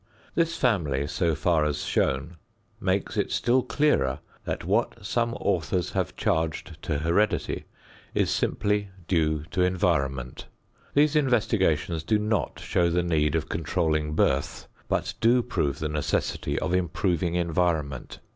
This family, so far as shown, makes it still clearer that what some authors have charged to heredity is simply due to environment. These investigations do not show the need of controlling birth but do prove the necessity of improving environment.